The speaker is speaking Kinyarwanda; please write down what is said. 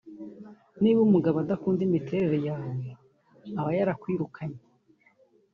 Niba umugabo adakunda imiterere yawe aba yarakwirukanye